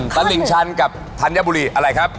ตลิ่งชันกับธัญบุรีอะไรครับ